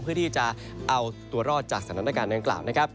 เพื่อที่จะเอาตัวรอดจากสถานการณ์ดังกล่าวนะครับ